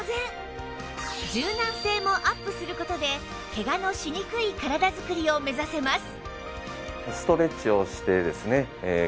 柔軟性もアップする事でケガのしにくい体作りを目指せます